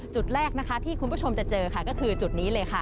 จุดแรกนะคะที่คุณผู้ชมจะเจอค่ะก็คือจุดนี้เลยค่ะ